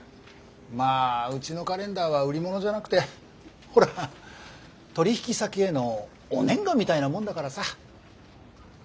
まあうちのカレンダーは売り物じゃなくてほら取引先へのお年賀みたいなもんだからさ。